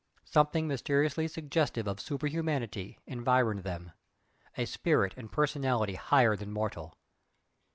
Something mysteriously suggestive of super humanity environed them; a spirit and personality higher than mortal.